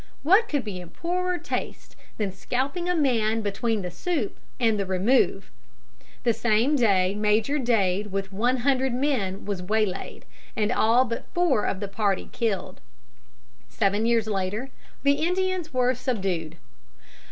What could be in poorer taste than scalping a man between the soup and the remove? The same day Major Dade with one hundred men was waylaid, and all but four of the party killed. Seven years later the Indians were subdued.